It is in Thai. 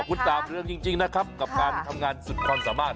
คุณตามเรื่องจริงนะครับกับการทำงานสุดความสามารถ